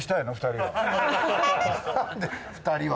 ２人は。